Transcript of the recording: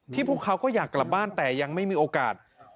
พวกเขาก็อยากกลับบ้านแต่ยังไม่มีโอกาส